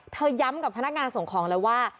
ย้ำกับพนักงานส่งของเลยว่า